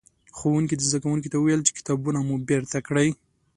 ښوونکي؛ زدکوونکو ته وويل چې کتابونه مو بېرته کړئ.